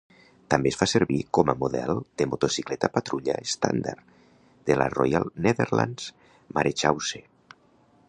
També es fa servir como a model de motocicleta patrulla estàndard de la Royal Netherlands Marechaussee.